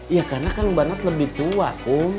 ya karena kang barnas lebih tua kum